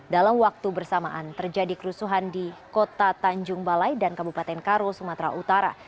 dalam waktu bersamaan terjadi kerusuhan di kota tanjung balai dan kabupaten karo sumatera utara